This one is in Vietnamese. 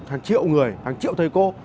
hàng triệu người hàng triệu thầy cô